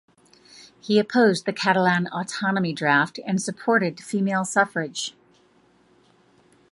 He opposed the Catalan autonomy draft and supported female suffrage.